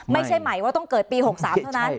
ไม่ใช่หมายว่าต้องเกิดปี๖๓เท่านั้น